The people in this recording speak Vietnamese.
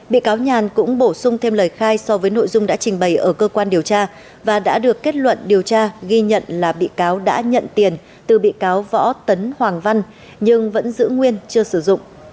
bị cáo nhàn cũng bổ sung thêm lời khai so với nội dung đã trình bày ở cơ quan điều tra và đã được kết luận điều tra ghi nhận là bị cáo đã nhận tiền từ bị cáo võ tấn hoàng văn nhưng vẫn giữ nguyên chưa sử dụng